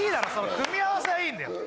組み合わせはいいんだよ